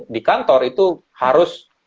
di kantor itu harus